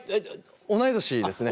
同い年ですね。